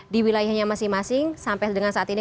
di wilayahnya masing masing sampai dengan saat ini